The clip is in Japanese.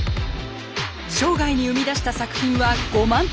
生涯に生み出した作品は５万点以上。